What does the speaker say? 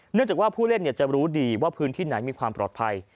เนื่องจากว่าผู้เล่นจะรู้ดีว่าพื้นที่ไหนมีความปลอดภัย